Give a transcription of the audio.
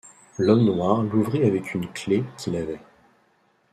L’homme noir l’ouvrit avec une clef qu’il avait.